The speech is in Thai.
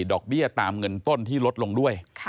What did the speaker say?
ดอกเบี้ยตามเงินต้นที่ลดลงด้วย